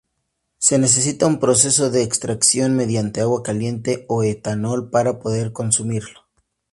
Se necesita un proceso de extracción mediante agua caliente o etanol para poder consumirlo.